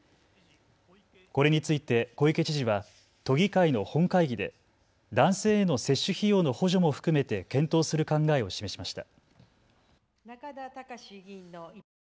これについて小池知事は都議会の本会議で男性への接種費用の補助も含めて検討する考えを示しました。